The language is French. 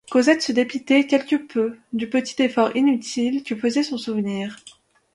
Cosette se dépitait quelque peu du petit effort inutile que faisait son souvenir.